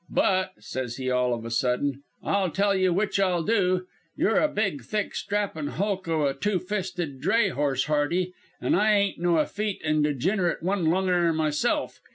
'But,' says he all of a sudden, 'I'll tell you which I'll do. You're a big, thick, strappin' hulk o' a two fisted dray horse, Hardie, an' I ain't no effete an' digenerate one lunger myself.